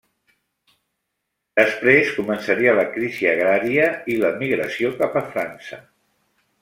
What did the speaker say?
Després començaria la crisi agrària i l'emigració cap a França.